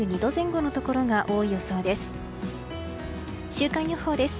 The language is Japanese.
週間予報です。